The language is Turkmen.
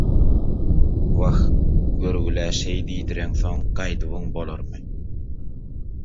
Wah, görgülä şeý diýdireňsoň, gaýdybyň bolarmy?